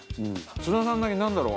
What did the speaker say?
津田さんだけなんだろう？